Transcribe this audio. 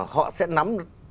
họ sẽ nắm